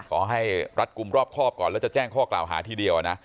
ขอให้รัดกลุ่มรอบครอบก่อนแล้วจะแจ้งข้อกล่าวหาทีเดียวนะ